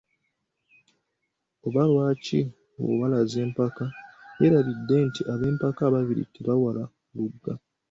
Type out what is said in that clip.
Oba lwaki awalaza empaka?yeerabidde nti, ab'empaka ababiri tebawala luga.